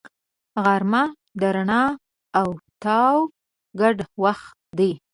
غرمه د رڼا او تاو ګډ وخت دی